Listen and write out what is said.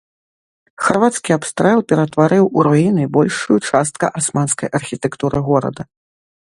Харвацкі абстрэл ператварыў у руіны большую частка асманскай архітэктуры горада.